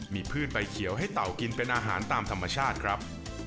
มีพืชใบเขียวให้เต่ากินเป็นอาหารตามธรรมชาติครับ